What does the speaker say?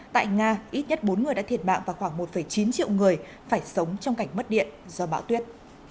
tại nga ít nhất bốn người đã thiệt mạng và khoảng một chín triệu người phải sống trong cảnh mất điện do bão tuyết